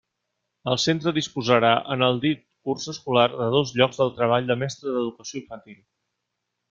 El centre disposarà, en el dit curs escolar, de dos llocs de treball de mestre d'Educació Infantil.